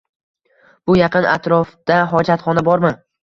Bu yaqin atrofda hojatxona bormi?